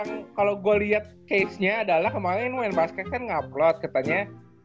jadi kalo gue liat casenya adalah kemaren main basket kan ngablot katanya